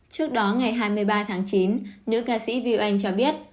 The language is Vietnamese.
trước đó ngày hai mươi ba tháng chín nữ ca sĩ viu anh cho biết